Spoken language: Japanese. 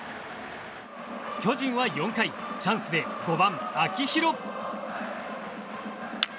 巨人は４回チャンスで５番、秋広。